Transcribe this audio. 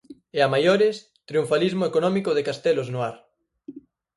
E a maiores, triunfalismo económico de castelos no ar.